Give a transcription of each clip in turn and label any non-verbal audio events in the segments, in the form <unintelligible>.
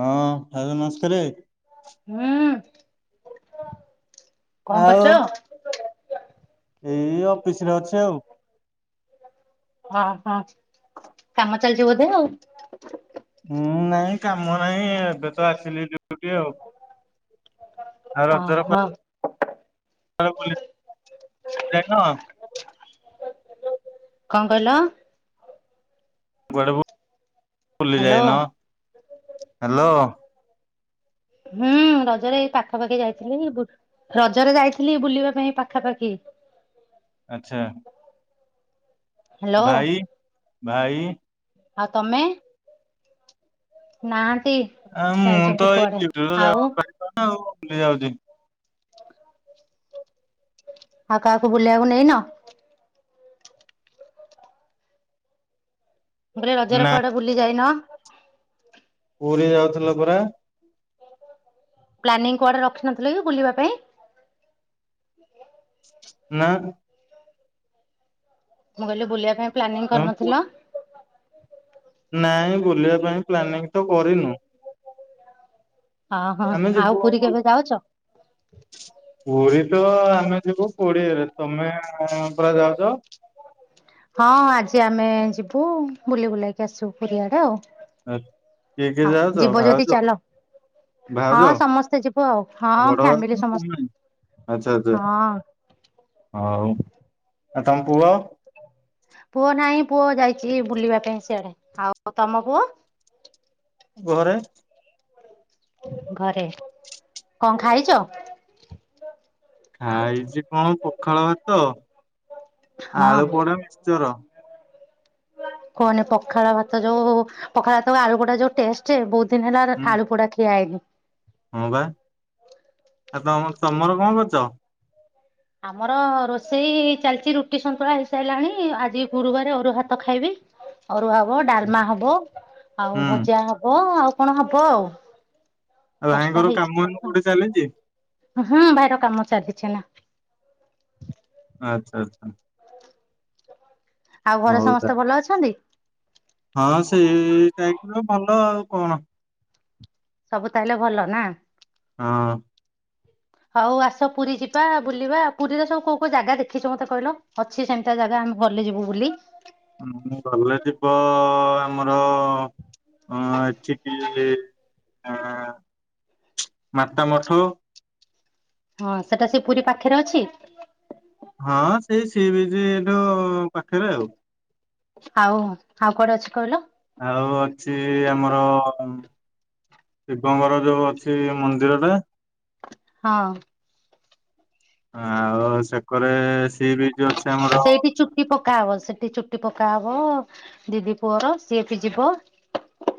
ହଁ ଭାଉଜ ନମସ୍କାରେ। <inaudible> କଣ ଆଉ କରୁଚ? ଏଇ ଅଫିସ ରେ ଅଛି ଆଉ। ଅ ହଁ କାମ ଚାଲିଚି ବୋଧେ ଆଉ। ହୁଁ ନାଇଁ କାମ ନାହିଁ ଏବେ ତ ଆସିଲି ଡିୟୁଟି ଆଉ। ହଁ ରଜରେ ହଁ। ଆଉ ବୁଲି ଯାଇନ? କଣ କହିଲ? କୁଆଡକୁ ବୁଲି ହ୍ୟାଲୋ ଯାଇନ? ହ୍ୟାଲୋ। ହୁଁ ରଜରେ ଏ ପାଖାପାଖି ଯାଇଥିଲି ଗୁ- ରଜରେ ଯାଇଥିଲି ବୁଲିବା ପାଇଁ ପାଖାପାଖି। ଆଚ୍ଛା। ହ୍ୟାଲୋ ଭାଇ ଭାଇ ଆଉ ତୋମେ? ନା ଆଉ ମୁଁ ତ ଏଇ <unintelligible> ଆଉ ବୁଲି ଯାଉଚି ମୁଁ। ଆଉ କାହାକୁ ବୁଲିଇବାକୁ ନେଇନ? ମୁଁ କହିଲି ରଜ ରେ ନା କୁଆଡେ ବୁଲି ଯାଇନ? ପୁରୀ ଯାଉଥିଲ ପରା? ପ୍ଲାନିଂ କୁଆଡେ ରଖିନଥିଲ କି ବୁଲିବା ପାଇଁ? ନାରେ। ମୁଁ କହିଲି ବୁଲିବା ପାଇଁ ପ୍ଲାନିଂ ତମେ ପୁରୀ କରିନଥିଲ? ନାଇଁ ବୁଲିବା ପାଇଁ ପ୍ଲାନିଂ ତ କରିନୁ। ଅଁ, ହଁ, ଆମେ ଆଉ ଯିବୁ ପୁରୀ କେବେ ଯାଉଚ? ପୁରୀ ତ ଆମେ ଯିବୁ କୋଡିଏରେ, ତୋମେ ଆଉ <unintelligible> ପରା ଯାଉଚ? ହଁ ଆଜି ଆମେ ଯିବୁ ବୁଲି ବୁଲାଇକି ଆସିବୁ ପୁରୀ ଆଡେ ଆଉ। ଏ କିଏ କିଏ ହଁ ଯାଉଚ ଯିବ ଯଦି ଭାଉଛ ଚାଲ ହଁ ଭାଉଜ ସମସ୍ତେ ଯିବୁ ଆଉ ହଁ ବଡ ଫ୍ୟାମିଲି ଭାଉଜ ସମସ୍ତେ ତୁମେ ଆଚ୍ଛା ଆଚ୍ଛା ହଁ। ହଉ। ଆ ତୋମ ପୁଅ ପୁଅ ନାହିଁ ପୁଅ ଯାଇଚି ବୁଲିବା ପାଇଁ ସିଆଡେ। ଆଉ ତୋମ ପୁଅ? ଘରେ। ଘରେ, କଣ ଖାଇଚ? ଖାଇଚି କଣ ପଖାଳ ଭାତ ହଁ ଆଳୁ ପୋଡା ମିକ୍ସଚର। କୁହନି ପଖାଳ ଭାତ ଯୋଉ ପଖାଳ ଭାତକୁ ଆଳୁ ପୋଡା ଯୋଉ ଟେଷ୍ଟ ବହୁତ ଦିନ ହେଲା ହୁଁ ଆଳୁ ପୋଡା ଖି ଖିଆହେଇନି। ହଁ ବା ଆ ତୋମ ତୋମର କଣ କରିଚ? ଆମର ରୋଷେଇ ଚାଲିଚି, ରୁଟି ସନ୍ତୁଳା ହେଇସାରିଲାଣି, ଆଜି ଗୁରୁବାର ଅରୁଆ ଭାତ ଖାଇବି, ଅରୁଆ ହବ ଡାଲମା ହବ ଆଉ ହୁଁ ଭଜା ହବ ଆଉ କଣ ହବ ଆଉ ଆଉ ଭାଇଙ୍କର କାମଧନ୍ଦା କୋଉଠି ଚାଲିଚି? ହଁ ଭାଇର କାମ ଚାଲିିଛି ନା। ଆଚ୍ଛା ଆଚ୍ଛା। ଆଉ ଘରେ ହଉ ତା ସମସ୍ତେ ଭଲ ଅଛନ୍ତି? ହଁ ସେଇ ଟାଇପର ଭଲ ଆଉ କଣ? ସବୁ ତାହଲେ ଭଲ ନାଁ? ହଁ। ହଉ ଆସ ପୁରୀ ଯିବା ବୁଲିବା ପୁରୀରେ ସବୁ କୋଉ କୋଉ ଜାଗା ଦେଖିଛ ମତେ କହିଲ ଅଛି ସେମତିଆ ଜାଗା ଆମେ ଘଲେ ଯିବୁ ବୁଲି। ଉଁ ମୁଁ ଭଲରେ ପ ଆମର ହଁ ଠିକିଲି ଆ ମାତା ମଠୁ ହଁ ସେଟା ସେ ପୁରୀ ପାଖରେ ଅଛି? ହଁ ସେଇ ସି ବିଚ୍ ଠୁ ପାଖରେ ଆଉ। ଆଉ ଆଉ କୁଆଡ଼େ ଅଛି କହିଲ। ଆଉ ଅଛି ଆମର ଶିବଙ୍କର ଯୋଉ ଅଛି ମନ୍ଦିରଟା। ହଁ। ଅଁ ଆଉ ସେ କରେ ସି ବିଚ୍ ଅଛି ଆମର କା ହବ ସେଠି ଚୁଟି ପକା ହବ ଦିଦି ପୁଅର ସିଏ ବି ଯିବ।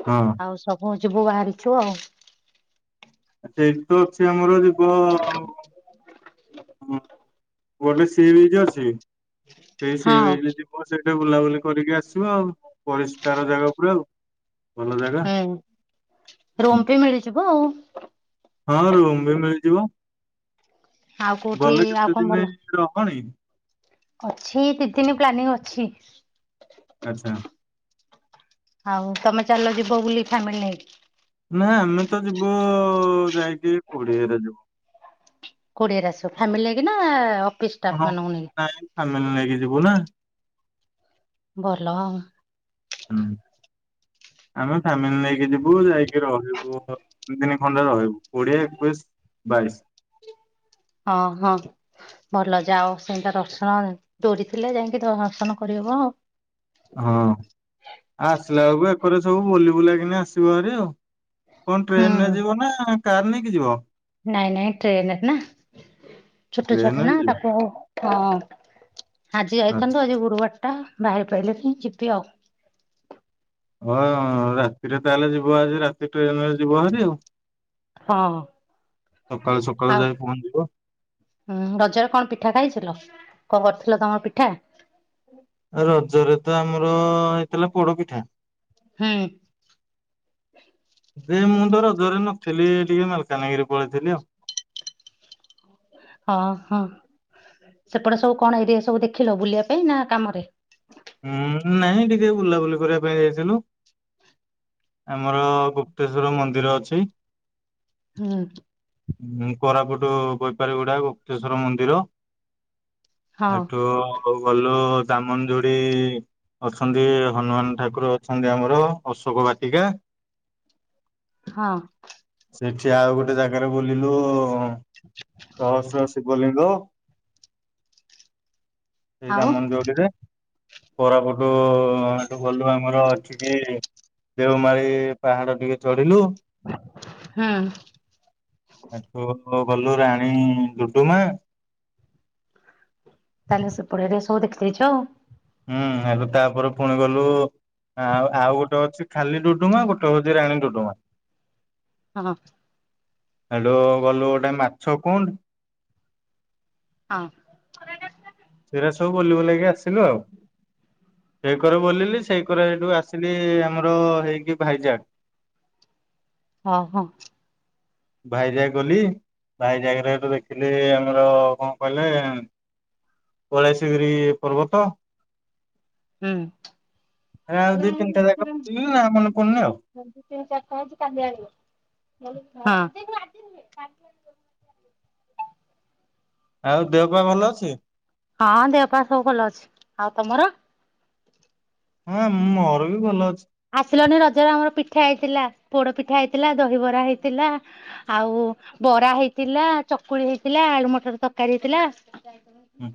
ହଁ ଆଉ ସବୁ ଯିବୁ ବାହାରିଛୁ ଆଉ। ସେଇଠି ତ ଛି ଆମର ଯିବ ଆଉ ହଁ। ମୁଁ ଅଲି ସି ବିଚ୍ ଅଛି। ସେଇ ସି ହଁ ବିଚ୍ ଯିବ ସେଇ ଲା ବୁଲାବୁଲି କରିକି ଆସିବ ଆଉ ପରିଷ୍କାର ଜାଗା ପୁରା ଆଉ। ଭଲ ଜାଗା ହୁଁ ହୁଁ। ରୁମ୍ ପି ମିଳିଯିବ ଆଉ। ହଁ ରୁମ ବି ମିଳିଯିବ। ଆଉ କୋଉଠି ଗଲେ ଆଉ କେତେ କଣ ଦିନି ଭଲ ରହଣି? ଅଛି କି ଦିନି ପ୍ଲାନିଂ ଅଛି। ଆଚ୍ଛା। ଆଉ ତମେ ଚାଲ ଯିବ ବୁଲି ଫ୍ୟାମିଲି ନେଇକି। ନାଁ ଆମେ ତ ଯିବୁ ଯାଇକି କୋଡିଏରେ ଯିବୁ। କୋଡିଏରେ ଆସିଅ ଫ୍ୟାମିଲି ନେଇକି ନାଁ ଅଫିସ ହଁ ଷ୍ଟାଫ୍ ମାନଙ୍କୁ ନେଇକି? ନାଇଁ ଫ୍ୟାମିଲି ନେଇକି ଯିବୁ ନା। ଭଲ। ହୁଁ। ଆମେ ଫ୍ୟାମିଲି ନେଇ ଇ ଯିବୁ ଯାଇକି ରହିବୁ। ପୁଅ ତିନି ଦିନି ଖଣ୍ଡେ ରହିବୁ କୋଡ଼ିଏ ଏକୋଇଶ ବାଇଶ। ହଁ ହଁ ଭଲ ଯାଅ ସେନ୍ତିଆ ଦର୍ଶନ ଡୋରିଥିଲେ ଯାଇଁକି ଦର୍ଶନ କରିହବ ଆଉ ହଁ ଆଉ ଆସିଲା ବେଳକୁ ଏକରେ ସବୁ ବୁଲି ବୁଲାକି କିନି ଆସିବ ଆରି ଆଉ କଣ ହୁଁ ଟ୍ରେନରେ ଯିବନା କାର୍ ନେଇକି ଯିବ? ନାଇଁ ନାଇଁ ଟ୍ରେନରେ ନା ଛୋଟ ଛୁଆଟା ଟ୍ରେନରେ ନା ଯିବ ତାକୁ ଆଉ ଆଜି ଆଚ୍ଛା ଯାଇଥାନ୍ତୁ ଆଜି ଗୁରୁବାର ଟା ବାହାରି ପାଇଲିନି ଯିବି ଆଉ। ହଁ ରାତିରେ ତାହେଲେ ଯିବ ଆଜି ରାତି ଟ୍ରେନରେ ଯିବ ଭରି ଆଉ। ହଁ ସକାଳୁ ସକାଳୁ ଯାଇ ପହଞ୍ଚିବ ଆଉ ରଜରେ କଣ ପିଠା ଖାଇଥିଲ? କଣ କରିଥିଲ ତମର ପିଠା? ଉ ହେଇଥିଲା ପୋଡ ପିଠା। ହୁଁ। ଯେ ମୁଁ ତ ରଜରେ ନଥିଲି ଟିକେ ମାଲକାନଗିରି ପଳେଇଥିଲି ଆଉ। ହଁ ହଁ ସେପଟେ ସବୁ କଣ ଏରିଆ ସବୁ ଦେଖିଲ ବୁଲିବା ପାଇଁ ନା କାମରେ? ହୁଁ ନାଇଁ ଟିକେ ବୁଲାବୁଲି କରିବା ପାଇଁ ଯାଇଥିଲୁ ଆମର ଗୁପ୍ତେଶ୍ଵର ମନ୍ଦିର ଅଛି। ହୁଁ। କୋରାପୁଟ ବୈପାରୀଗୁଡା ଗୁପ୍ତେଶ୍ଵର ମନ୍ଦିର। ହଁ ହେଠୁ ହଉ ଭଲ ଦାମନ ଦୁ ଅଛନ୍ତି ହନୁମାନ ଠାକୁର ଅଛନ୍ତି ଆମର ଅଶୋକ ବାଟିକା ହଁ। ସେଠି ଆଉ ଗୋଟେ ଜାଗାରେ ବୁଲିଲୁ ସହସ୍ର ଶିବଲିଙ୍ଗ ସେଇ ଆଉ ଦାମନଯୋଡ଼ି ରେ କୋରାପୁଟୁ ଆଗ ଗଲୁ ଆମର ଅଛି କି ଦେଓମାଳି ପାହାଡ଼ ଟିକେ ଚଢିଲୁ। ହୁଁ। ଓ ଗଲୁ ରାଣୀ ଡୁଡୁମା ତାହେଲେ ସେପଟ ହେରିକା ସବୁ ଦେଖିଦେଇଛ ଆଉ। ହୁଁ ହେଲେ ତାପରେ ପୁଣି ଗଲୁ ଆଉ ଆଉ ଗୋଟେ ଅଛି ଖାଲି ଡୁ ଡୁମା ଗୋଟେ ହଉଛି ରାଣୀ ଡୁଡୁମା। ହଁ ହଁ ହେଠୁ ଗଲୁ ଗୋଟେ ମାଛ କୁଣ୍ଡ ହଁ। ସେରା ସବୁ ବୁଲି ବାଲାକି ଆସିଲୁ ଆଉ ସେଇକର ବୁଲିଲି ସେଇକର ହେଠୁ ଆସିଲି ଆମର ହେଇକି ଭାଇଜାକ୍। ଓ ହୋ। ଭାଇଜାଗ୍ ଗଲି ଭାଇଜାଗରେ ହେଠୁ ଦେଖିଲି ଆମର କଣ କହିଲେ କୈଳାଶଗିରି ପର୍ବତ। ହୁଁ ଆଉ ଦି ତିନିଟା ତିନି ଜାଗା ବୁଲିଲି ନା ମନେ ପଡୁନି ଆଉ। ଚାରିଟା ହେଇଛି କାଲି ଆଣିବ ହଁ। ଆଉ ଦେହପା ଭଲ ଅଛି? ହଁ ଦେହ ପା ସବୁ ଭଲ ଅଛି ଆଉ ତମର? ହଁ ମୋର ବି ଭଲ ଅଛି। ଆସିଲନି ରଜର ଆମର ପିଠା ହେଇଥିଲା ପୋଡ ପିଠା ହେଇଥିଲା, ଦହିବରା ହେଇଥିଲା ଆଉ ବରା ହେଇଥିଲା ଚକୁଳି ହେଇଥିଲା ଆଳୁ ମଟର ତରକାରୀ ହେଇଥିଲା। ହଁ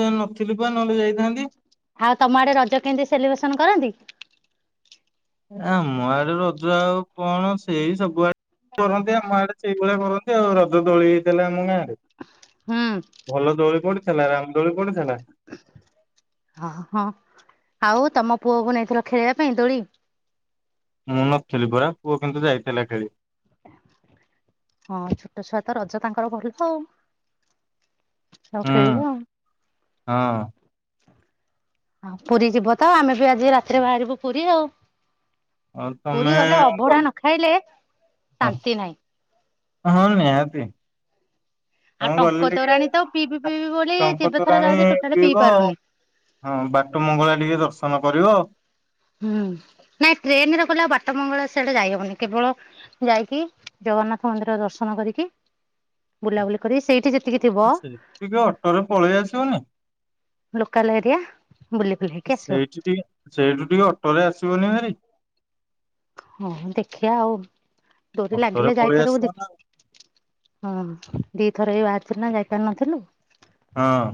ହୁଁ ନଥିଲୁ ବା ନହେଲେ ଯାଇଥାନ୍ତି। ଆଉ ତମ ଆଡେ ରଜ କେମିତି ସେଲିବ୍ରେସନ କରନ୍ତି? ଆମ ଆଡ଼େ ଡେ ରଜ ଆଉ କଣ ସେଇ ସବୁଆଡେ କରନ୍ତି, ଆମ ଆଡେ ସେଇଭଳିଆ କରନ୍ତି। ରଜ ଦୋଳି ହେଇଥିଲା ଆମ ଗାଁ ହୁଁ <inaudible> ଭଲ ଦୋଳି ପଡ଼ି ଆଲାରାମ୍ <inaudible> ହଁ ହଁ ଆଉ? ତମ ପୁଅକୁ ନେଇଥିଲ ଖେଳିବା ପାଇଁ ଦୋଳି? ମୁଁ ନଥିଲି ପରା ପୁଅ କିନ୍ତୁ ଯାଇଥିଲା ଖେଳି। <inaudible> ହଁ ଛୋଟ ଛୁଆ ତ ରଜ ତାଙ୍କର ଭଲ ଆଉ। <inaudible> ଆଉ ହୁଁ ଖେଳିବେ ଆଉ। ହଁ <inaudible> <inaudible> ପୁରୀ ଯିବ ତ ଆମେ ବି ଆଜି ରାତିରେ ବାହାରିବୁ ପୁରୀ ଆଉ ଆଉ ପୁରୀ ତମେ ଗଲେ ଅଭଢା ଗଲ- ନ ଖାଇଲେ ହଁ ଶାନ୍ତି ନାହିଁ। ହଁ ନିହାତି। ଆଉ ତମେ ଗଲେ ଟଙ୍କ ଟିକେ ତୋରାଣୀ ତ ପିଇବି ପିଇବି ବୋଲି ଟଙ୍କ ଯେତେଥର ତୋରାଣୀ ଯାଉଚି ଟୋଟାଲି ପିଇବ ପିଇ ଆଉ ପାରୁନି। ହଁ ବାଟ ମଙ୍ଗଳା ଟିକେ ଦର୍ଶନ କରିବ? ହୁଁ ନାଇଁ ଟ୍ରେନରେ ଗଲେ ଆଉ ବାଟ ମଙ୍ଗଳା ସେଆଡେ ଯାଇହବନି, କେବଳ ଯାଇକି ଜଗନ୍ନାଥ ମନ୍ଦିର ଦର୍ଶନ କରିକି ବୁଲାବୁଲି କରି ସେଇଠି ଯେ ଅସେଠି ଟିକେ ଅଟୋରେ ପଳେଇ ଆସିବନି। ଲୋକାଲ ଏରିଆ ବୁଲି ବୁଲାକି <inaudible> ଆସିବ ସେଇଠି ଟିକେ ସେଇଠୁ ଟିକେ ଅଟ ଅଟରେ ଆସିବନି ଭାରି। <inaudible> ହଁ ଦେଖିଆ ଆଉ ଡୋରି ଅଟୋରେ ଲାଗିଲେ ପଳେଇ ଆସିବ ଯାଇପାରିବୁଦି ନା <inaudible> ହଁ। ଦିଇଥର ଏଇ ବାହାରିଥିଲୁ ନା ଯାଇପାରିନଥିଲୁ। ହଁ।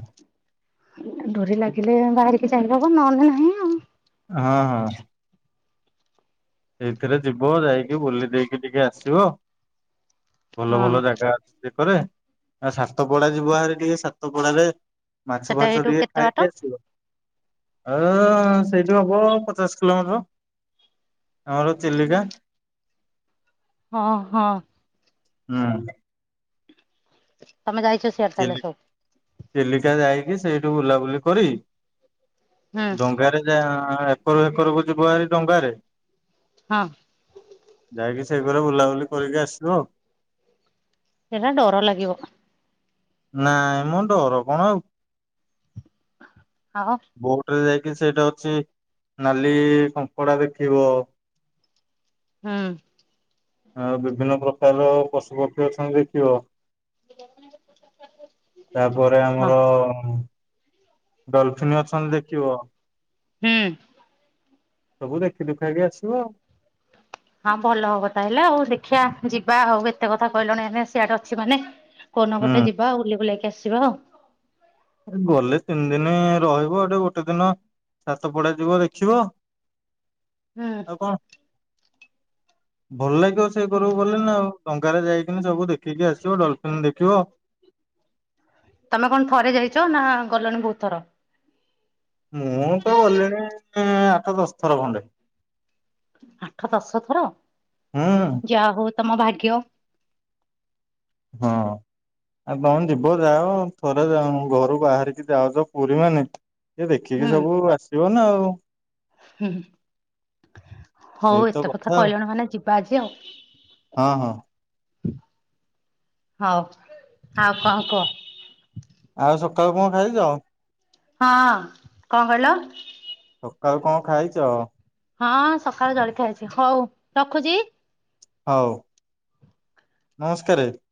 ଡୋରି ଲାଗିଲେ ବାହାରିକି ଯାଇହବ ନହେଲେ ନାହିଁ ଆଉ। ହଁ ହଁ। ସେଇଥିରେ। ଯିବ ଯାଇକି ବୁଲି ଦେଇକି ଟିକେ ଆସିବ। ଯିବ? <inaudible> ଭଲ ଭଲ ହଁ ଜାଗା ଅ କରେ ଆଉ ସାତ ପଡା ଯିବ ଆହାର ଟିକେ ସାତ ପଡାରେ। ମାଛ ସେଟା ଫାଛ ଏଇଠୁ ଟିକେ କେତେ ବାଟ ଖାଇକ ଆସିବ। <inaudible> ହ ସେଇଠୁ ହବ ପଚାଶ କିଲୋମିଟର। ଆମର ଚିଲିକା। <inaudible> ହଁ ହଁ। ହୁଁ। <inaudible> ସିଆଡେ ତାହେଲେ ଚିଲି ସବୁ ଚିଲିକା ଯାଇ କିସେଇଠୁ ବୁଲାବୁଲି କରି। ହୁଁ ଡଙ୍ଗାରେ ଯା ହ ଏକରୂ ହେକରକୁ ଯିବ ହାରି ଡଙ୍ଗରେ। ହଁ ଯାଇକି। ସେଇ ଘରେ ବୁଲାବୁଲି କରିକି ଆସିବ। ସେଇଟା ଡର ଲାଗିବ। ନାଇଁ ମ ଡର କଣ ଆଉ। ଆଉ ବୋଟରେ ଯାଇ କି ସେଇଟା ହଉଛି ନାଲି କଙ୍କଡ଼ା ଦେଖିବ। ହୁଁ। ଆ ବିଭିନ୍ନ ପ୍ରକାର ପଶୁପକ୍ଷୀ ଅଛନ୍ତି ଦେଖିବ। <inaudible> ତାପରେ ହଁ ଆମର ଡଲଫିନ୍ ଅଛନ୍ତି ଦେଖିବ। ହୁଁ। ସବୁ ଦେଖି ଦୁଖାକି ଆସିବ। ହଁ ଭଲ ହବ ତାହେଲେ ଆଉ ଦେଖିଆ ଯିବା। ଆଉ ଏତେ କଥା କହିଲଣି ମାନେ ସିଆଡେ ଅଛି ମାନେ। କୋନୋଗୋଟେ ଆଉ। ଯିବା ଆ ବୁଲିବୁଲାକି ଆସି ଯିବା ଆଉ ଗଲେ ତିନି ଦିନ ରହିବ ଗଟେ ଗୋଟେ ଦିନ ଛାତ ପଡା ଯିବ ଦେଖିବ ହଁ ଆଉ କଣ ଭଲ ଲାଗିବ ସେ କରକୁ ହୁଁ। ଗଲେ ନା ଆଉ ଟଙ୍କାରେ ଯାଇି ସବୁ ଦେଖିକି ଆସିବ ଡଲଫିିନ ଦେଖିବ ତମେ କଣ ଥରେ ଯାଇଛ ନା ଗଲଣିି ବହୁତ ଥର ମୁଁ ତ ଗଲିଣି ଆଠ ଦଶ ଥର ଖଣ୍ଡେ ଆଠ ଦଶ ଥର ହୁଁ ଯାହା ହଉ ତମ ଭାଗ୍ୟ ହଁ ଆଉ ତମେ ଯିବ ଯାଅ ଥରେ ଯାଅ ଘରୁ ବାହାରିକି ଯାାଉଛ ପୁରୀ ମେ ଏ ଦେଖିକି ହୁଁ ସବୁ ଆସିବ ନା ଆଉ ହଁ ହୁଁ ହଉ ଏତେ କଥା କହିଲେଣି ମାନେ ଯିବ ବାଜାଉ <inaudible> ହଁ ହଁ ହଉ ଆଉ କହ କୁହ ଆଉ ସକାଳୁ କଣ ଖାଇଛ ଆଉ ହଁ କଣ କହିଲ ଆଉ କଣ ଖାଇଛ, ହଁ ସକାଳେ ଜଳି ଖାଇଛି ହଉ ରଖୁଛି ହଉ ନମସ୍କାରାରେ।